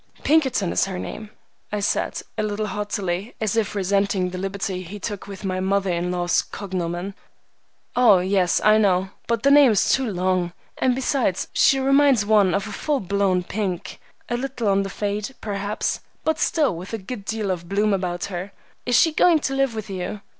"Pinkerton is her name," I said, a little haughtily, as if resenting the liberty he took with my mother in law's cognomen. "Oh, yes, I know, but the name is too long; and besides, she reminds one of a full blown pink, a little on the fade, perhaps, but still with a good deal of bloom about her. Is she going to live with you?